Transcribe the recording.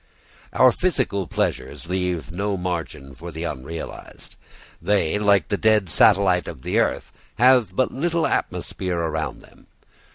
Our physical pleasures leave no margin for the unrealised. They, like the dead satellite of the earth, have but little atmosphere around them.